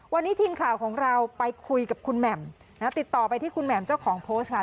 วันนี้ทีมข่าวของเราไปคุยกับคุณแหม่มนะติดต่อไปที่คุณแหม่มเจ้าของโพสต์ค่ะ